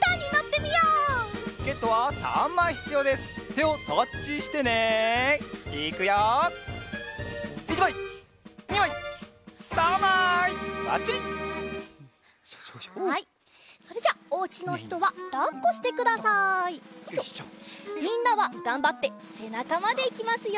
みんなはがんばってせなかまでいきますよ。